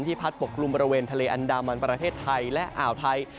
พัดปกกลุ่มบริเวณทะเลอันดามันประเทศไทยและอ่าวไทย